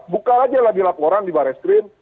buka lagi laporan di barreskrim